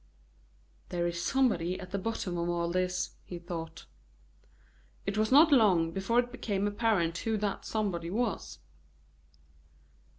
There is somebody at the bottom of all this, he thought. It was not long before it became apparent who that somebody was.